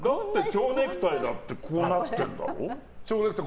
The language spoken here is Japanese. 蝶ネクタイだってこうなってるだろ？